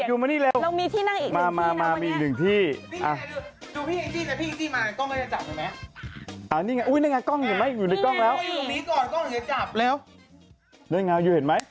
ออกเหรอะอ่าอยู่มานี่เร็วมามีอีกหนึ่งที่